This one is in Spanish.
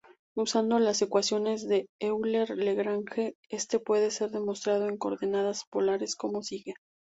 Usando las ecuaciones de Euler-Lagrange, esto puede ser demostrado en coordenadas polares como sigue.